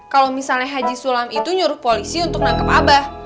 kalau misalnya haji sulam itu nyuruh polisi untuk menangkap abah